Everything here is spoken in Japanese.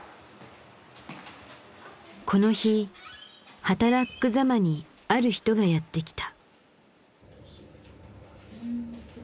この日はたらっく・ざまにある人がやって来た。